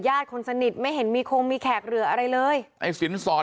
คนสนิทไม่เห็นมีคงมีแขกเหลืออะไรเลยไอ้สินสอด